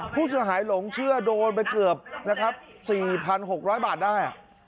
ผู้ช่วยหายหลงเชื่อโดนไปเกือบ๔๖๐๐บาทได้